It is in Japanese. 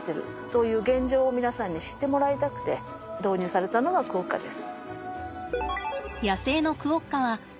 そういう現状を皆さんに知ってもらいたくて導入されたのがクオッカです。